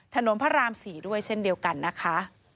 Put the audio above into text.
ถนนพระราม๔ด้วยเช่นเดียวกันนะคะ